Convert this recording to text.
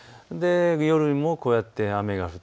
夜もこうやって雨が降る。